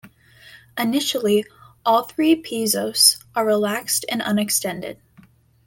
Initially, all three piezos are relaxed and unextended.